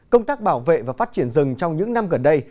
công tác bảo vệ và phát triển rừng trong những năm gần đây